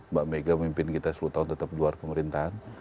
mbak mega memimpin kita sepuluh tahun tetap di luar pemerintahan